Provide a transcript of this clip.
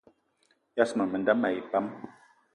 Yas ma menda mayi pam